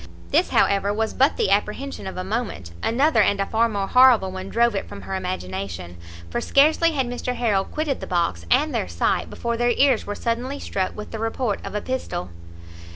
This, however, was but the apprehension of a moment; another and a far more horrible one drove it from her imagination; for scarcely had Mr Harrel quitted the box and their sight, before their ears were suddenly struck with the report of a pistol.